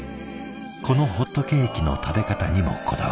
このホットケーキの食べ方にもこだわりが。